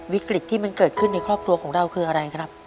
วิกฤตที่มันเกิดขึ้นในครอบครัวของเราคืออะไรครับ